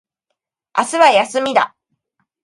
明日は休みだ